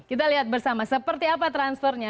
kita lihat bersama seperti apa transfernya